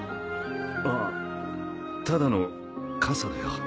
あただの傘だよ。